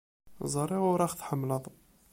Ẓriɣ ur aɣ-tḥemmleḍ.